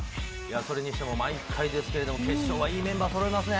それにしても毎回ですけれども、決勝はいいメンバーそろいますね。